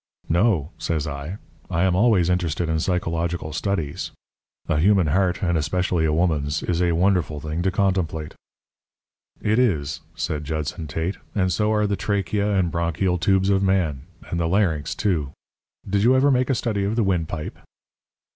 "No," said I. "I am always interested in psychological studies. A human heart and especially a woman's is a wonderful thing to contemplate." "It is," said Judson Tate. "And so are the trachea and bronchial tubes of man. And the larynx too. Did you ever make a study of the windpipe?"